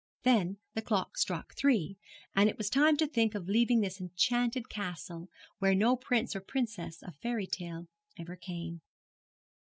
Then the clock struck three, and it was time to think of leaving this enchanted castle, where no prince or princess of fairy tale ever came.